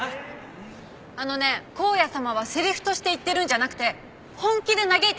あのね光矢様はセリフとして言ってるんじゃなくて本気で嘆いてるの。